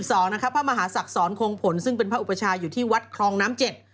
เมื่อวันที่๒๒พระมหาศักดิ์สอนโครงผลซึ่งเป็นพระอุปชาติอยู่ที่วัดครองน้ำเจ็ด